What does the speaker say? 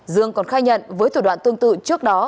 dương còn khai nhận với thủ đoạn tương tự trước đó